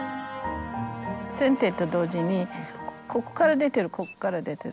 せんていと同時にここから出てるここから出てるここを。